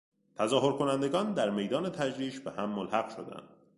تظاهرکنندگان در میدان تجریش به هم ملحق شدند.